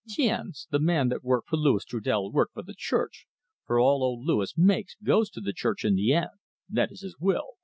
"Tiens! the man that work for Louis Trudel work for the Church, for all old Louis makes goes to the Church in the end that is his will.